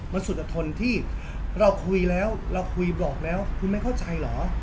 มันสุดทนที่เราคุยแล้วเราคุยบอกแล้วคุณไม่เข้าใจเหรอ